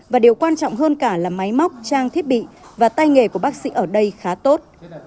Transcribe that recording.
và điều quan trọng hơn cả là máy móc trang thiết bị và tay nghề của bác sĩ ở đây khá tốt